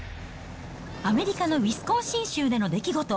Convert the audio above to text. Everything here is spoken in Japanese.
アメリカのウィスコンシン州での出来事。